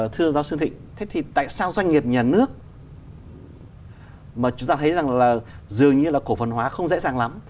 thưa giáo sư thịnh thế thì tại sao doanh nghiệp nhà nước mà chúng ta thấy rằng là dường như là cổ phần hóa không dễ dàng lắm